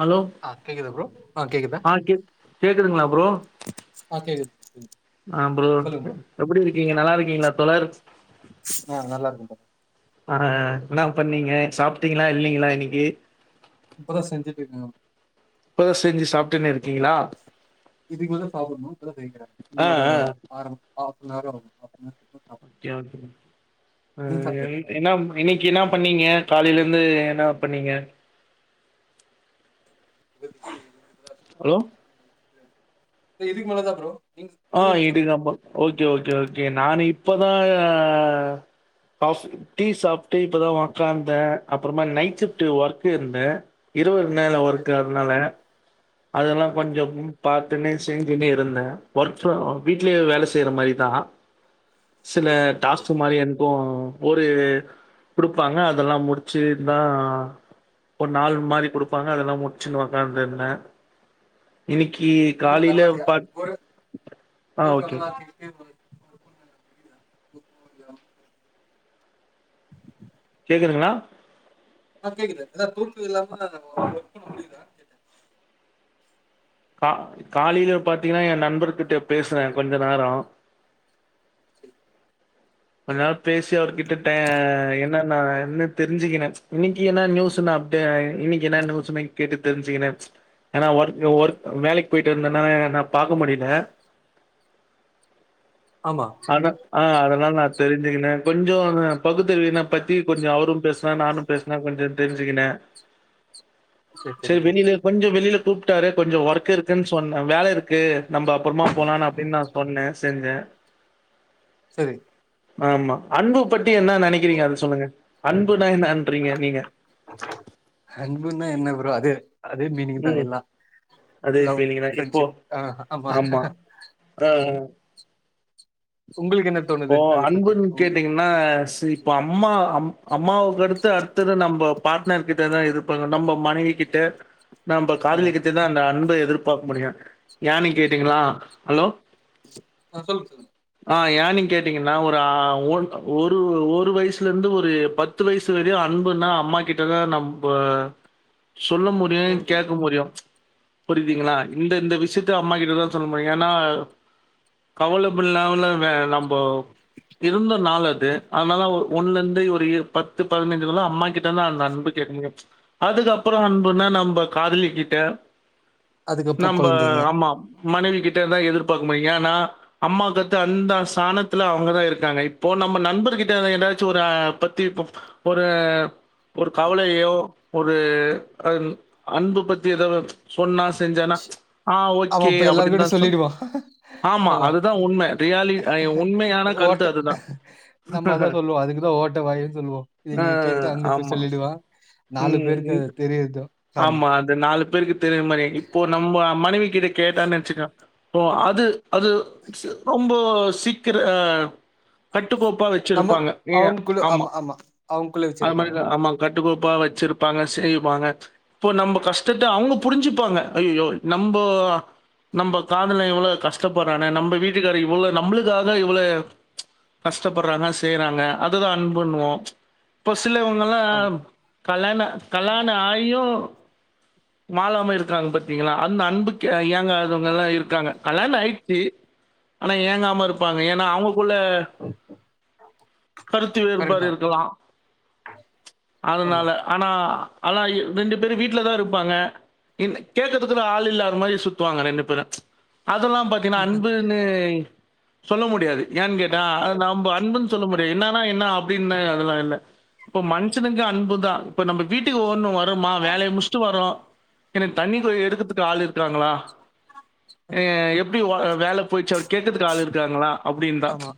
Hello ஆ கேக்குதா bro கேக்குதா ஆ கேக் கேக்குதுங்ளா ப்ரோ ஆ கேக்குது அ ப்ரோ எப்டி இருக்கீங்க நல்லா இருக்கீங்களா தோழர் ஆ நல்லா இருக்க தோழர் ஆ என்னா பண்ணீங்க சாப்டீங்களா இல்லீங்களா இன்னைக்கி இப்பதா செஞ்சுட்டு இருக்க இப்பதா செஞ்சி சாப்டுனு இருக் இதுக்கு மேல சாப்புணு இப்பதா செய்ற ஆ இன்னொரு ஆ அர ஆஃப் நவர் ஆகு ஆஃப் நவ ஓகே ஓகே ப்ரோ அ நீங்க சாப்ட்டாச்சா என்ன இன்னிக்கு என்ன பண்ணீங்க காலையில இருந்து என்ன பண்ணீங்க அலோ இதுக்கு மேலதா ப்ரோ நீங்க ஆ நீங்க என்ன சாப்ட்டீங்க இதுக்கப்பற ஓகே ஓகே ஓகே நானு இப்பதா காஃ டீ சாப்ட்டு இப்பதா ஒக்காந்த அப்பறமா நைட் ஷிப்டு ஒர்க் இருந்த இருவது நாள் சேரி ஒர்க் சேரி அதனால அதெல்லா சேரி சேரி கொஞ்சம் பாத்துன்னே செஞ்சுன்னே இருந்த ஒர்க் ஃப்ர வீட்லயே வேல செய்ற மாரிதா சில சேரி டாஸ்கு மாரி என்க்கு ஒரு குடுப்பாங்க அதெல்லா முடிச்சுதா ஒரு நாள் மாரி குடுப்பாங்க அதெல்லா முடிச்சுன்னு ஒக்காந்து இருந்த இன்னிக்கி காலையில பாத் ஆ ஓகே [unintelligible] இப்டியே குடு கேக்குதுங்களா ஆ கேக்குது அதான் தூக்கோ இல்லாம எனக்கு வொர்க் பன்ன முடில கா காலையில பாத்தீங்கன்னா என் நண்பர்கிட்ட பேசுனே கொஞ்ச நேரம் சரி கொஞ்ச நாள் பேசி அவர்கிட்ட டெ என்ன நான் என்னென்னு தெரிஞ்சிக்கினேன் இன்னிக்கு என்ன நியூஸ் நா இன்னைக்கு என்ன நியூஸ்னு கேட்டு தெரிஞ்சிக்கினே ஏன்னா ஒர்க் ஒர்க் வேலைக்கு போய்ட்டு இருந்தேன்னா என்ன பார்க்க முடியல ஆமா தனா ஆ அதலா நா தெரிஞ்சுக்கினே கொஞ்சோ பகுத்தறிவின பத்தி கொஞ்சோ அவரும் பேசனா நானு பேசுனா கொஞ்சோ தெரிஞ்சுக்கினே சேரி சேரி செர் ப்ரோ வெளில கொஞ்சோ வெளில கூப்ட்டாரு கொஞ்சோ ஒர்க் இருக்குனு சொன்னே வேல இருக்கு நம்ப அப்றமா போலானு அப்டின்னு நா சொன்னே செஞ்சேன் செரி ஆமா அன்பு பத்தி என்ன நெனைக்கிறீங்க அது சொல்லுங்க அன்புனா என்னன்றீங்க நீங்க அன்புன்னா என்ன ப்ரோ அது அதே மீனிங் தா ம். எல்லா அதே லவ் ஃபீலிங் தான். ஃப்ரெண்ட்ஷிப் ஆ ஆமா ஆ உங்களுக்கென்னது ஓ அன்புனு கேட்டீங் னா சி இப்ப அம்மா அம் அம்மாவுக்கு அடுத்து அடுத்தது நம்ப பார்ட்னர் கிட்டதா எதிர் பாங்க நம்ம மனைவி கிட்ட நம்ப ஆமா காதலி கிட்டதா அந்த அன்ப எதிர்பார்க்க முடியு ஏன்னு கேட்டீங்கனா ஹலோ ஆ சொல்லுங் சொல்லுங்க ஆ யானிங் கேட்டீங்கன்னா ஒரு ஓன் ஒரு வயசுல இருந்து ஒரு பத்து வயசு வரையும் அன்புனா அம்மா கிட்ட சிலர் நம்ப சொல்ல முடியும் கேக்குது கேட்க முடியும் புரிதுங்களா இந்தந்த விஷயத்த அம்மா கிட்டதான் சொல்ல முடியு ஏன்னா கவலை படாமல நம்ப இருந்த நாள் அது அதனால ஒண்ல இருந்து ஒரு பத்து பதினைஞ்சுகுள்ள அம்மா கிட்ட தான் அந்த அன்பு கேக்க முடியா அதுக்கப்புறோ அன்புனா நம்ப காதலிக்கிட்ட அதுக்கப்புறோ நம்ப கொழந்தைங்க அம்மா மனைவி கிட்ட தா எதிர்பார்க்க முடியி ஏனா அம்மா கத்து அந்த சான த்துல அவங்கதா இருக்காங்க இப்போ நம்ம நண்பர்கிட்ட ஏதாச்சு ஒர பத்தி இப்போ ஒரு ஒரு கவலையோ ஒரு அம் அன்பு பத்தி எதோ ஒ சொன்னா செஞ்சானா ஆ அவ ஓகே இப்ப அப்படின் தா எல்லார்கிட்டயு சொ சொல்லிடுவா ஆமா அதுதா உண்ம ரியாலி அயோ ஓட்ட நம்ம அதா சொல்லுவோ அதுக்குதா ஓட்ட வாயின் சொல்லுவோ இத அ இங்க கேட்டு அங்க போய் ஆமா. சொல்லிடுவா நாலு பேருக்கு அ தெரியது ஆமா நாலு பேருக்கு தெரிய மாரி இப்போ நம்ப மனைவி கிட்ட கேட்டா நெனைச்சுக்க ஓ அது அது சி ரொம்போ சீக்கிர கட்டுக்கோப்பா வெ ச்சு நம்ம இருப்பாங்க நீங்க அவங்களுக்குள்ள ஆமா அவங்களுக்குள்ள அது வச்சிருப்பாங்க மாரிதா ஆமாங் கட்டுக்கோப்பா வச்சிருப்பாங்க செய்வாங்க இப்போ நம்ம கஷ்டத்த அவங்க புரிஞ்சுப்பாங்க ஐயய்யோ நம்போ நம்ப காதலன் இவ்ளோ கஷ்டப்படுறானே நம்ப வீட்டுக்காரு இவ்ளோ நம்பளு ளுக்காக இவளோ கஷ்டப்படுறாங்க செய்றாங்க அததுதா அன்புன்னுவோ பசுலவங்கலா ஆமா கல்லாண கல்லாண ஆயும் மாலாம இருக்றாங்க பாத்தீங்களா அந்த அன்புக்கு ஏன் ஏகுவங்கலா இருக்காங்க கல்லாண ஆயிருச்சு ஆனா ஏங்காம இருப்பாங்க ஏன்னா அவங்கக்குள்ள கருத்து கரெக்ட் வேறுபாடு தா இருக்கலா ஆமா அதுனால ஆனா ஆனா ரெண்டு பேரு வீட்ல தா இரு பாங்க இன் கேக்கதுக்கு தா ஆள் இல்லாத மாரி சுத்துவாங்க ரெண்டு பேரு அதெல்லாம் பாத்தீங்கன்னா அன்புனு சொல்ல முடியாது ஏன் கேட்டா அது நம்ப அன்புனு சொல்ல முடி என்னனா என்னா அப் டின்லா அதெல்லா இல்ல இப்ப மன்ஷனுக்கு அன்புதா இப்ப நம்ப வீட்டுக்கு ஒனு வ மா வேலைய முச்சுட்டு வரோ எனக்கு தண்ணிக்கு எடுக்கத்துக்கு ஆள் இரு க்றாங்களா அ எப்டி வ வேல போச்சு அவர் கேக்கதுக்கு ஆள் இரு ஆமா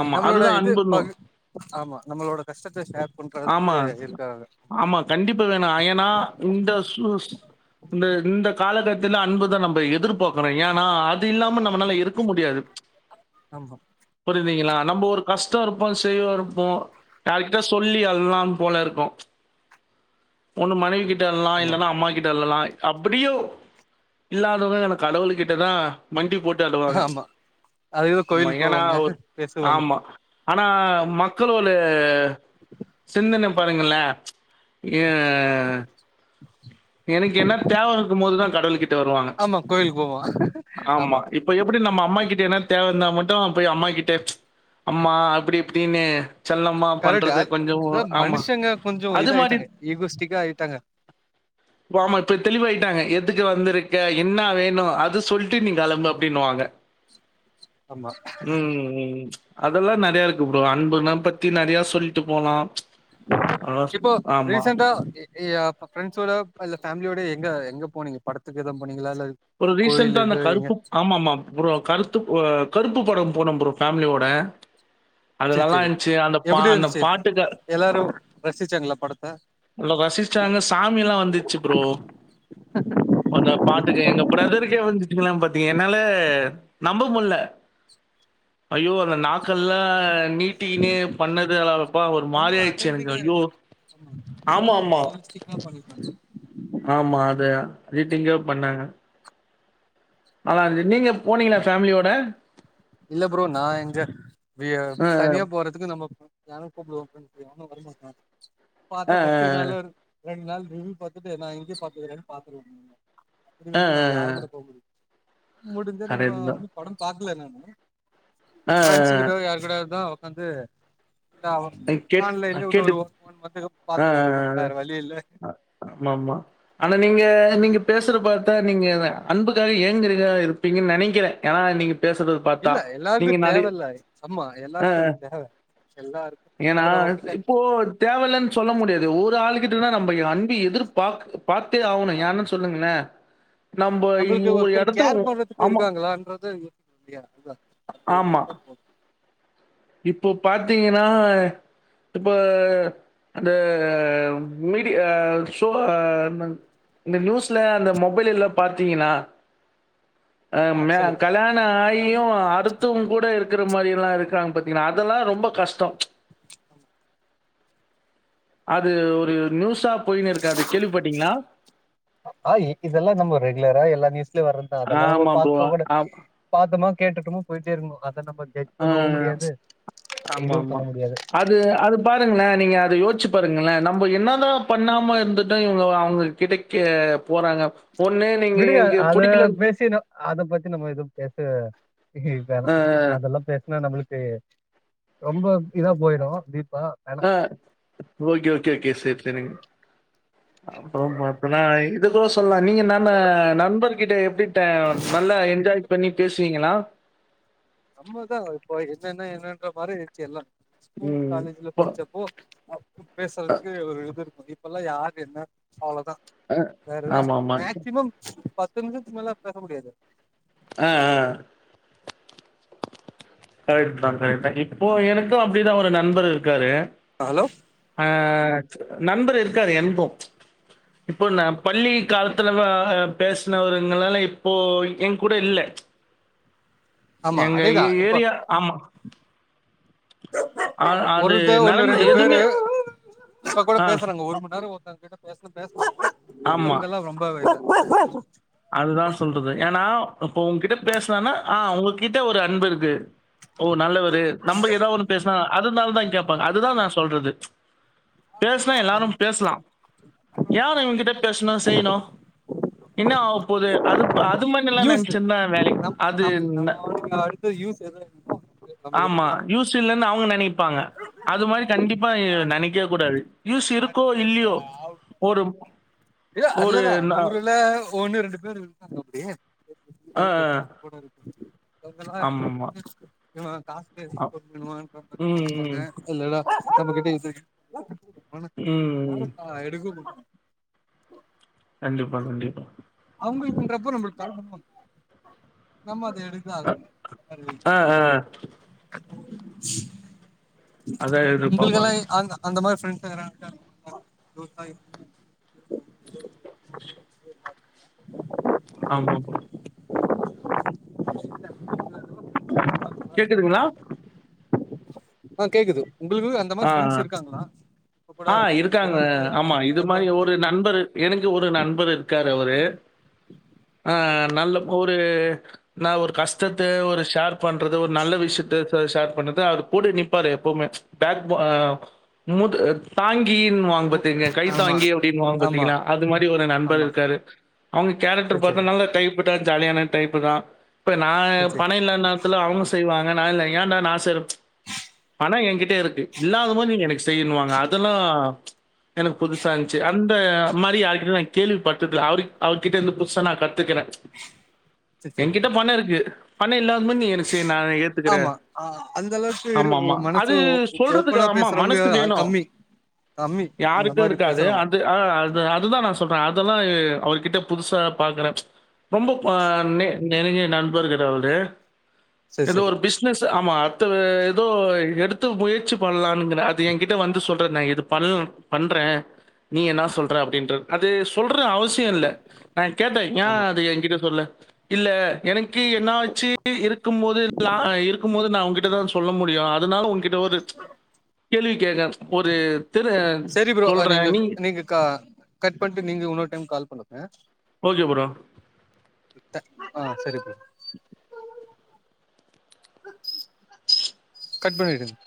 ஆமா. நம்மளோட அதுதான் இது அன்புன்னும். பகு ஆமா நம்மளோட கஷ்டத்த ஷேர் பண்றத்துக்கு ஆமா. இருக்காங்க ஆமா. கண்டிப்பா வேணா அயனா இந்த சு இந்த இந்த காலகட்த்தல அன்புதா நம்ம எதிர்பாக்குறோ ஏனா அது அது இல்லாம நம்மனால இருக்க முடியாது ஆமா புரியுதிங்களா நம்ம ஒரு கஷ்டோ இருப்போ செய்வா இருப்போ யார்கிட்ட சொல்லி அழலாம் போல இருக்கும் ஒண்ணு மனைவி கிட்ட அழுலாம் ஆமா இல்லன்னா அம்மா கிட்ட அழலாய் அப்புடியும் இல்லாதவுங்க எனக் கடவுள் கிட்டதா மண்டி போட்டு அழுவாங்க ஆமா அதுக்கு ஆமா கோயிலுக்கு ஏனா போவாங்க ஒர் பேசுவாங்க ஆமா ஆனா மக் மக்களுவுளே சிந்தன பாருங்களே ஏ [unintelligible] எனக்கு என்ன தேவ இருக்கும் போது தா கடவுள் கிட்ட வருவாங்க ஆமா கோயிலுக்கு போவோ ஆமா இப் இப்ப எப்புடி நம்ம அம்மா கிட்ட எனா தேவ இருந்தா மட்டும் போய் அம்மா கிட்ட அம்மா அப்டி இப்புடின்னு கரெட்டா இந்த மனுஷங்க கொஞ்சோ அது இதா மாரி ஆயிட்டாங்க இகோஸ்டிகா ஆயிட்டாங்க பாமா இப்ப தெளிவாயிட்டாங்க எதுக்கு வந்திருக்க என்னா வேணு அது சொல்ட்டு நீங்க கெளம்பு அப்டின்னுவாங்க ஆமா ம் ம் அதெல்லா நெறையா இருக்கு ப்ரோ அன்புனா பத்தி நெறைய சொல்ட்டு போலா இப்போ ரீசென்டா ஏ ஏயப்ப ஃப்ரெண்ஸோட இல்ல ஃபேமிலியோட எங்க எங்க போனீங்க படத்துக்கு எதுவு போனீங்களா இல்ல ஒரு ரீசண்ட்டா அந்த கோயிலுக்கு எங்க கருப்பு ஆமாமாம் ப்ரோ கருத்து வ கருப்பு படம் போனம் ப்ரோ ஃபேமிலியோட அது சரி நல்லா சரி இந்துச்சு அந்த பா எப்டி அந்த இருந்துச்சு பாட்டுக்க எல்லாரு ரசிச்சாங்களா படத்த ரசிச்சாங்க சாமி எல்லாம் வந்துச்சு ப்ரோ அந்த பாட்டுக்கு எங்க ப்ர பிரதருகே வந்துச்சுங்களன் பாத்தீங்க என்னால நம்ப முல்ல ஐயோ அந்த நாக்கல்லா நீட் ட்டினே பண்ணது அப்பா ஒரு ரொம்ப மாறியாயிடுச்சு எனக்கு அத்தன்டிக்கா ஐயோ இருந்துச்சு ஆமா ஆமா ஆ பண்ணி காமிச்சா ஆமா அத ரீட்டிங்கா பண்ணாங்க ஆனா நின்நீங்க போனீங்களா ஃபேமிலியோட இல்ல ப்ரோ நா எங்க வி அ, சனியா போ போரதுக்கு நம்ம யாரும் கூப்பிடுவோ ஃபிரண்ட் எவனும் வரமாட்டா பாத்தா அ, அ, பஸ்ட்டு நாள் வேற ரெண்டு நாள் ரிவ்யூ பாத்துட்டு நா இங்கயே சாப்டுக்குறன் பாத்துருவங்கங்க அப்டி அ, இருந்து அ. நம்ப அ. யார் கூட போ முடியு முடிஞ்சா நம்ப கரெக்ட் தான். வந்து படம் பாக்கல நானு அ, ஃப்ரெண்ஸ் அ, கூட யார் கூடயாதுதா உக்காந்து இல்ல அ. கேட் ஆன்லைன்ல கேட்டு இன்னொரு ஓ போன் வந்து அ, பாத்துக்க வேண்டியதா அ, அ. வேற வழி இல்ல ஆமாமா ஆனா நீங்க நீங்க பேசுற பாத்தா நீங்க அன்புக்காக ஏங்குறிங்க இரு ப்பீங்கன் நெனைக்கிற ஏனா நீங்க பேசுறத பார்த்தா. இல்ல எல்லாது நீங்க நெறை தேவல்ல அம்மா எல்லார்க்கு அது தேவ எல்லார் ஏனா இப்போ தேவல்லன் சொல்ல முடியாது ஒரு ஆளு கிட்ட தா நம்ப அன்பு எதிர்பாக் பாத்தே ஆவணு யான்னு சொல்லுங்கள நம்ப நம்பளுக்கு ஒரு ஒருத்தர் எடத்துல உ கேர் பண்றதுக்கு ஆமா இருக்காங்களான்றது இல்லையா அதுதா அந்த இது ஆமா இருந்தா போது இப்போ பாத்தீங்கனா இப்போ அந்த மீடி அ சொ அ மண் இந்த நியூஸ்ல அந்த மொபைல்லல்லா பாத்தீங்கன்னா அ ஆ ம சொல்லுங்க கல்யாணோ ஆயியு அடுத்தவுங்கூட இருக்கற மாரி எல்லா இருக்காங்க பத் தீங்ளா அதல்லா ரொம்ப கஷ்டோ ஆமா அது ஒரு நியூஸா போயினு இருக்கு அது கேள்விப்பட்டீங்ளா ஆ இதெல்லா நம்ம ரெகுலரா எல்லா நியூஸ்லயு வர்றதுதா அதெல்லா நம்ம ஆமா ப்ரோ. பாக்க கூட ஆம் பாத்தமா கேட்டுட்டமோ போய்ட்டே இருக்கணு அத நம்ம ஜட்ஜ் அ பண்ணவு முடியாது இதுவு ஆமாமா. பண்ண முடியாது அது அது பாருங்கள நீங்க அத யோசிச்சு பாருங்கள நம்ப என்னதா பண்ணாம இருந்துட்டு இவங்க அவங்க கிடை கே போறாங்க ஒண்ணு நீங்க விடுங்க எங்க அத பிடிக்கலன் பேசினு அத பத்தி நம்ம எதும் பேச வேணா அதெல்லா பே னா நம்ளுக்கு ரொம்ப இதா போய்டு டீப்பா ஆ ஓகே ஓகே ஓகே சேரி சேரிங்க அப்புறோ பாத்தனா இது கூட சொல்லலா நீங்க நான நண்பர்கிட்ட எப்டி ட் நல்லா என்ஜாய் பண்ணி பேசுவீங்களா நம்மதா இப்ப என்னென்ன என்னன்ற மாரி ஆய்ச்சி எல்லா ஸ்கூல் ம். காலேஜ்ல ப படிச்ச போ அப்போ பேசுறதுக்கு ஒரு இது இருக்கு இப்பெல்லாம் யாரு என்ன அவ்வளதா வேறல்ல ஆமா ஆமா மக்சிமம் பத்து நிமிஷத்துக்கு மேல பேச முடியாது அ அ கரெட்டு தா கரெட்டு தா இப்போ எனக்கு அப்டிதா ஒரு நண்பர் இருக்காரு ஹலோ அ நண்பர் இருக்காரு என்பு இப்போ நா பள்ளி காலத்துலலா பேசனவருங்களால இப்போ எங்கூட இல்ல ஆமா எங்க எ அதேதான் இப்ப ஏரியா ஆமா அ அது ஒருத்த ஒன்னு நடந்த ரெண்டு பேரு எதுவுமே இப்ப கூட ஆ பேசுறாங்க ஒரு மண்நேரோ ஒருத்தங்கிட்ட பேசுனா பேச [inaudible] மத்தவங்கெல்லாம் ரொம்ப இதாய்ட்டாங்க அததா சொல்றது ஏனா அப்போ ஒங்க்கிட்ட பேசுனனா ஆ ஒங்ககிட்ட ஒரு அன்பு இருக்கு ஓ நல்லவரு நம்ப எதா ஒன்னு பேசுனா அதனாலதா கேப்பாங்க அதுதா நா சொல்றது பேசுனா எல்லாரு ஆமா பேசலா யார் இவன்ககிட்ட பேசுணு செய்யணு என்ன ஆவபோது அது அது மண்னெல்லா யூஸ் நெனச்சிட்ருந்தா வேலை நம் அது நம் நம்ம ந அவனுக்கு அடுத்து யூஸ் எது நம்ம கிட்ட ஆமா பேசணும் யூஸ் இல்லன் அவங்க நனைப்பாங்க அது மாரி கண்டிப்பா நனைக்கவே கூடாது யூஸ் இருக்கோ இல்லையோ ஒரு ஏயே ஒரு அதுலதா ந நூறுல ஒண்ணு ரெண்டு பேர் இருக்காங்க அப்டி அ [unintelligible] சப்போட இருக்கு [unintelligible] ஆமாமா. அ ம், [inaudible] இல்லட நம்மகிட்ட இது அவன ம், ம். யாருக்கா எடுக்க கண்டிப்பா கண்டிப்பா அவங்குளுக்குன்றப்ப நம்ளுக்கு கால் பண்ணுவாங்க நம்ம அத எடுது ஆகனு அ அதான் உங்குளுக்கெல்லா எதிர்பார்ப்பாங்க. அந் அந்த மாதிரி ஃப்ரெண்ட்ஸ்ல யாருனா இருக்காங்களா விவசாயோ ஆமா ப்ரோ கேக்குதுங்களா ஆ கேக்குது உங்களுக்கு அந்த மாரி ஆ, ஃப்ரெண்ட்ஸ் ஆ. இருக்காங்களா கூட ஆ இருக்காங்க ஏதோ ஆமா ஃபோன் பண்ணா இது எப்ப மாரி ஒரு நண்பரு எனக்கு ஒரு நண்பர் இருக்காரு அவரு ஆ சரி சரி நல்ல ஒரு நா ஒரு கஷ்டத்த ஒரு ஷேர் பண்றது ஒரு நல்ல விஷ்யத்த ஷேர் பண்ணது அவர் போட்டுட்டு நிப்பாரு எப்பவுமே பேக்பா மூட் அடுத் தாங்கின்னு வாங்க பாத்தீங்க கை ஆமா தாங்கி அப்டின்னு வாங்க ஆமா பாத்தீங்களா அது மாரி ஒரு நண்பர் ஆமா இருக்காரு அவங்க கேரக்டர் சரி சரி பாத்தா நல்ல டைப்பு தா ஜாலியான டைப்பு தா இப்ப நா சரி சரி பணயில்லனா ல்ல அவங்க செய்வாங்க நா இல் ஏன்டா நா செய்ற பணோ எங்கிட்டே இருக்கு இல்லாத போது நீங்க எனக்கு செய்யணுவாங்க அ தல்லா எனக்கு புதுசா இஞ்ச்சு அந்த மாரி யார்க்கிட்ட நா கேள்வி பட்டுக்கல அவரு அவர்கிட்ட இருந்து புதுசா நா கத்துக்கறே சரி சரி எங்கிட்ட பணொ இருக்கு பணொ இல்லாத போது எனக்கு செய் நா ஏத் திக்கறே ஆமா அந்த அளவுக்கு இரு ஆமா ஆமா அது மனசு சொல்றதுக்கு ஓப்பனா ஆம்மா பேசுறவங்க மனசு வேணு கம்மி கம்மி அந்த யாருக்கு மாரி இருக்காது அ பேசுறவங்க ஆஹ் அது அதுதா நா சொல்ற அதல்லா அவர்கிட்ட புதுசா பாக்கறே ரொம்போ பா னெ நெருங்கிய நண்பர் சார்அவ்ரு சரி எதோ சரி ஒரு பிஸ்னஸ் ஆமா அத்தவ ஏதோ எடுத்துப்போயி சிப் பண்ணலான்கிற அது என்கிட்ட வந்து சொல் நா இது பண்ணல பண்றே நீ ன்னா சொல்ற அப்டின்றது சொல்றது அவசியோல்ல நா கேட்டே யா ஆமா அது எங்கிட்ட சொல்ல இல்ல எனக்கு என்னாச்சு இருக்கும் போதுலா இருக்கும் போது நா உங்கிட்டதா சொல்ல முடியும் அதனால உங் கிட்ட ஒரு கேள்வி கேக்கற ஒரு திரு செரி ப்ரோ சொல்றேன். நீங்க நீ நீங்க கா கட் பண்ட்டு நீங்க உன்னொரு டைம் கால் பண்ணுங்க ஓகே புரோ த ஆ சரி ப்ரோ கட் பண்ணிடுங்